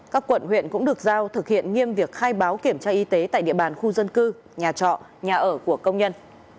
các quận huyện cũng được giao thực hiện nghiêm việc khai báo kiểm tra y tế tại địa bàn khu dân cư nhà trọ nhà ở của công nhân